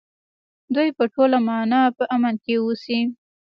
دوی په ټوله مانا په امن کې اوسي.